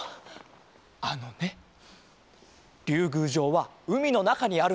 あのねりゅうぐうじょうはうみのなかにあるんだ。